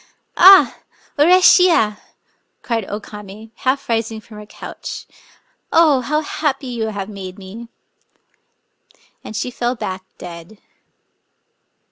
" Aa ! urisbiya !" cried O Kamc, half rising from her couch ;—" oh, how happy you have made me!" And she fell back dead.